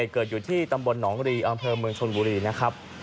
เกิดอยู่ที่ตำบลหนองรีอำเภอเมืองชนบุรีนะครับ